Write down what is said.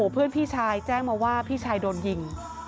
พี่ชายแจ้งมาว่าพี่ชายโดนยิง